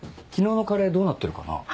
昨日のカレーどうなってるかな？